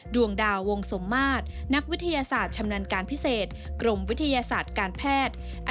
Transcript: ดวงดาววงสมมาตรนักวิทยาศาสตร์ชำนาญการพิเศษกรมวิทยาศาสตร์การแพทย์